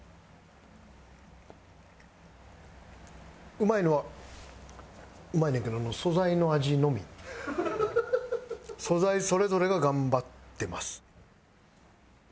うまいのはうまいねんけど素材それぞれが頑張ってます。